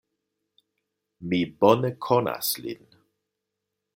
Mi bone konas lin.